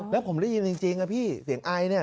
แล้วผมได้ยินจริงนะพี่เสียงไอเนี่ย